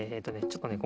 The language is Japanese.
ちょっとね